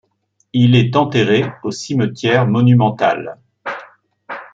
Il est enterré au Cimetière monumental.